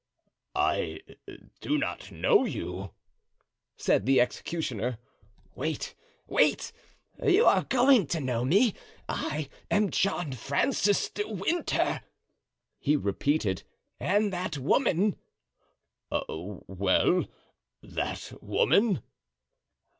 "I do not know you," said the executioner. "Wait, wait; you are going to know me. I am John Francis de Winter," he repeated, "and that woman——" "Well, that woman?"